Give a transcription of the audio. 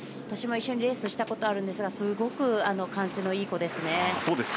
私も一緒にレースをしたことがありますがすごく感じのいい子ですね。